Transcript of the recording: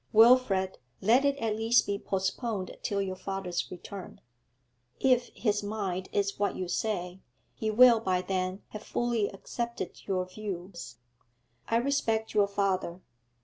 'Wilfrid, let it at least be postponed till your father's return. If his mind is what you say, he will by then have fully accepted your views. I respect your father.